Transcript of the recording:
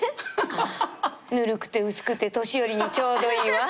ぬるくて薄くて年寄りにちょうどいいわ。